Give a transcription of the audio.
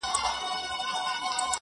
وينه د وجود مي ده ژوندی يم پرې.